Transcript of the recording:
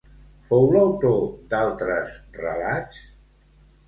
Fou l'autor d'altres relats?